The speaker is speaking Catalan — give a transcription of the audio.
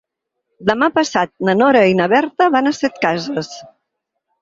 Demà passat na Nora i na Berta van a Setcases.